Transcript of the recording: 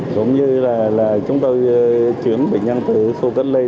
giống như là chúng tôi chuyển bệnh nhân từ khu cánh lây